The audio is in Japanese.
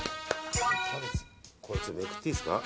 こいつ、めくっていいですか。